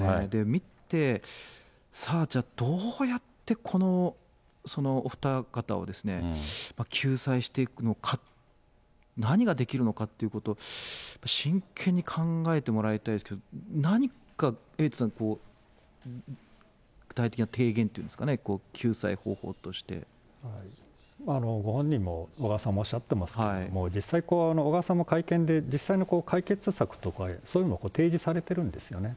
見て、さあじゃあどうやってこのお二方を救済していくのか、何ができるのかっていうことを、真剣に考えてもらいたいですけど、何か、エイトさん、具体的な提言といいますかね、ご本人も、小川さんもおっしゃってますけども、実際、小川さんの会見で実際に解決策とか、そういうのを提示されてるんですよね。